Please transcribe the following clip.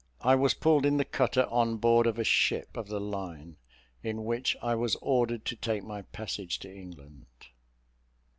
I was pulled in the cutter on board of a ship of the line, in which I was ordered to take my passage to England.